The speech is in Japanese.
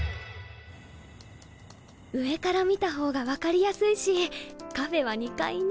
上から見た方が分かりやすいしカフェは２階に。